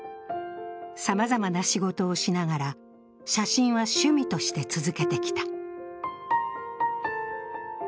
さまざまな仕事をしながら、写真は趣味として続けてきた。